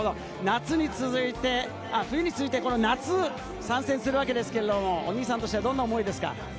冬に続いて夏、参戦するわけですが、お兄さんとしてはどんな思いですか？